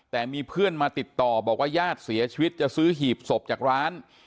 แต่มีเพื่อนมาติดต่อบอกว่าญาติเสียชีวิตจะซื้อหีบศพจากร้าน